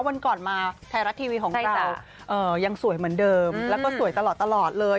วันก่อนมาไทยรัฐทีวีของเรายังสวยเหมือนเดิมแล้วก็สวยตลอดเลย